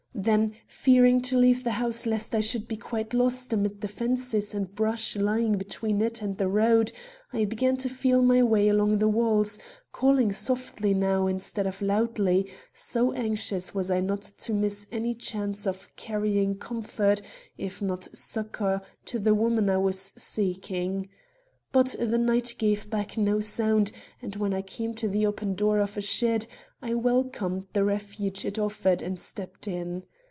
Then, fearing to leave the house lest I should be quite lost amid the fences and brush lying between it and the road, I began to feel my way along the walls, calling softly now, instead of loudly, so anxious was I not to miss any chance of carrying comfort, if not succor, to the woman I was seeking. But the night gave back no sound, and when I came to the open door of a shed, I welcomed the refuge it offered and stepped in.